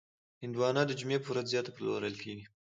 هندوانه د جمعې په ورځ زیات پلورل کېږي.